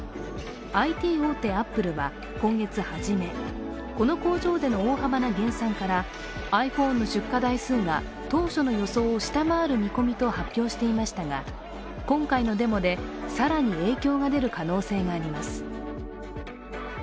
ＩＴ大手・アップルは今月初め、この工場での大幅な減産からｉＰｈｏｎｅの出荷台数が当初の予想を下回る見込みと発表していましたが、今回のデモで更に影響が出る可能性があります